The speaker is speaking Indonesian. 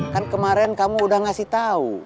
kan kemarin kamu udah ngasih tahu